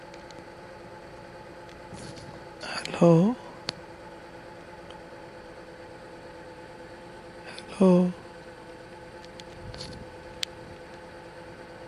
The unincorporated community of Rozellville is located in the town.